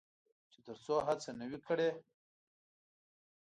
چې تر څو هڅه نه وي کړې.